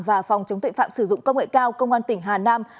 và phòng chống tuệ phạm sử dụng công nghệ cao công an tỉnh hà nam